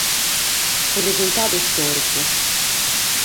Unu resurtadu istòricu!